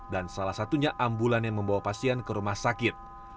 dan salah satunya ambulan yang membawa pasien ke rumah sakit